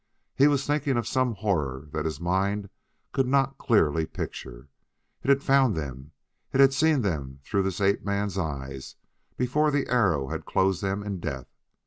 He was thinking of some horror that his mind could not clearly picture: it had found them; it had seen them through this ape man's eyes before the arrow had closed them in death